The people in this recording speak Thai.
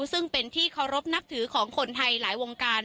ซึ่งเป็นที่เคารพนับถือของคนไทยหลายวงการ